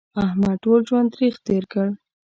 احمد ټول ژوند تریخ تېر کړ.